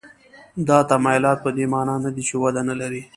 دا تمایلات په دې معنا نه دي چې وده نه لري.